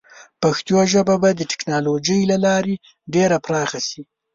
پښتو ژبه به د ټیکنالوجۍ له لارې ډېره پراخه شي.